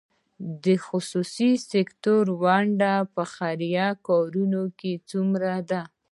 د خصوصي سکتور ونډه په خیریه کارونو کې څومره ده؟